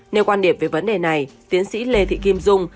nêu quan điểm về vấn đề này tiến sĩ lê thị kim dung